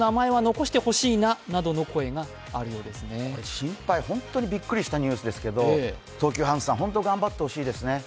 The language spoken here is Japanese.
心配、本当にびっくりしたニュースですけど東急ハンズさん、本当に頑張ってほしいですね。